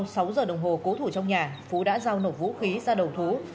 sau sáu h đồng hồ cố thủ trong nhà phú đã giao nổ vũ khí ra đầu thú